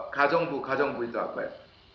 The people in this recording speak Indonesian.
gajengbu gajengbu itu apa ya